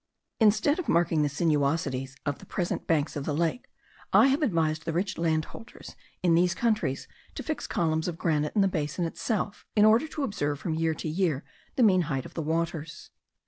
Instead of marking the sinuosities of the present banks of the lake, I have advised the rich landholders in these countries to fix columns of granite in the basin itself, in order to observe from year to year the mean height of the waters.